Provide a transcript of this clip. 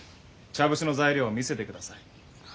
茶節の材料を見せてください。